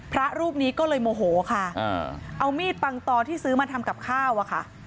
พระรูปนี้ก็เลยโมโหค่ะเอามีดปังตอที่ซื้อมาทำกับข้าวอะค่ะ